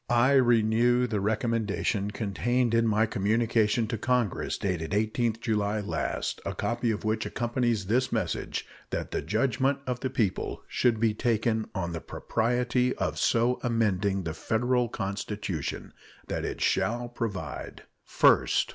I renew the recommendation contained in my communication to Congress dated the 18th July last a copy of which accompanies this message that the judgment of the people should be taken on the propriety of so amending the Federal Constitution that it shall provide First.